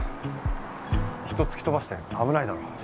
人を突き飛ばして危ないだろ。